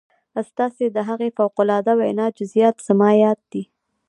ستاسې د هغې فوق العاده وينا جزئيات زما ياد دي.